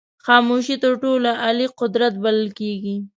خاموشي تر ټولو عالي قدرت بلل کېږي.